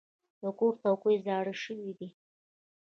د کور څوکۍ زاړه شوي دي.